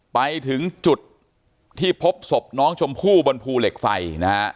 ไปถึงจุดที่พบศพน้องชมพู่บนภูเหล็กไฟนะฮะ